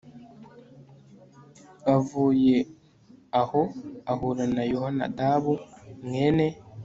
Avuye aho ahura na Yehonadabu mwene